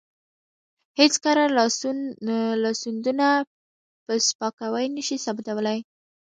هېڅ کره لاسوندونه په سپکاوي نشي ثابتولی.